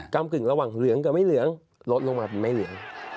กำกึ่งระหว่างเหลืองกับไม่เหลืองลดลงมาเป็นไม่เหลือง